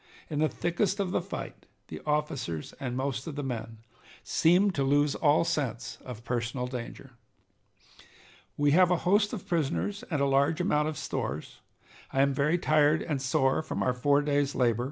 In the thickest of the fight the officers and most of the men seemed to lose all sense of personal danger. "We have a host of prisoners and a large amount of stores. I am very tired and sore from our four days' labor.